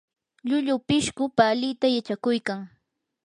llullu pishqu palita yachakuykan.